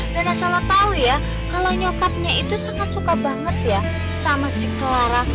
dan asal lo tau ya kalau nyokapnya itu sangat suka banget ya sama si clara